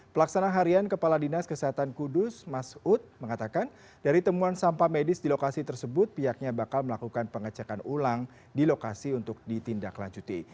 pelaksana harian kepala dinas kesehatan kudus mas ud mengatakan dari temuan sampah medis di lokasi tersebut pihaknya bakal melakukan pengecekan ulang di lokasi untuk ditindaklanjuti